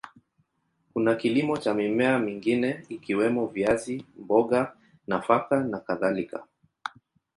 Kuna kilimo cha mimea mingine ikiwemo viazi, mboga, nafaka na kadhalika.